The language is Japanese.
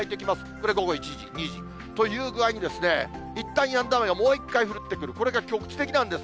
これ午後１時、２時。という具合にですね、いったんやんだ雨が、もう一回降ってくる、これが局地的なんです。